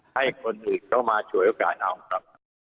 ให้คนอื่นเข้ามาฉวยโอกาสเอาครับ